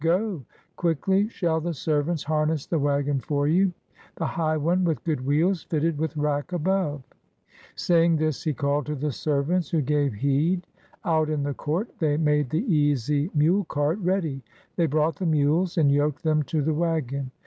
Go! Quickly shall the servants harness the wagon for you, the high one, with good wheels, fitted with rack above." Saying this, he called to the servants, who gave heed. Out in the court they made the easy mule cart ready; they brought the mules, and yoked them to the wagon.